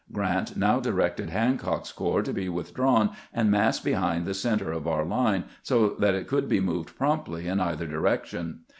Grant now directed Hancock's corps to be withdrawn and massed behind the center of our line, so that it could be moved promptly in either direction.